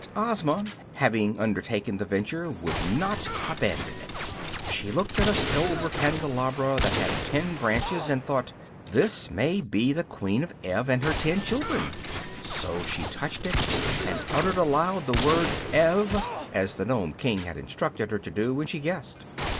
But Ozma, having undertaken the venture, would not abandon it. She looked at a silver candelabra that had ten branches, and thought: "This may be the Queen of Ev and her ten children." So she touched it and uttered aloud the word "Ev," as the Nome King had instructed her to do when she guessed.